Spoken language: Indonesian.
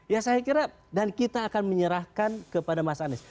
ya saya kira dan kita akan menyerahkan kepada mas anies